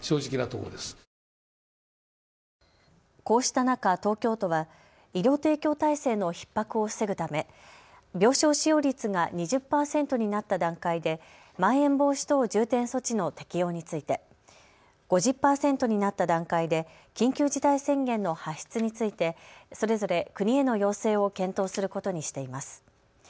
こうした中、東京都は医療提供体制のひっ迫を防ぐため病床使用率が２０％になった段階でまん延防止等重点措置の適用について、５０％になった段階で緊急事態宣言の発出についてそれぞれ国への要請を検討することにしています。